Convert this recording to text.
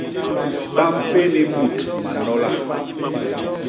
Ba mpéni mut manola.